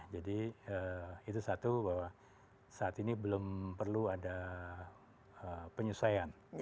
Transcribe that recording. jadi itu satu bahwa saat ini belum perlu ada penyusahayaan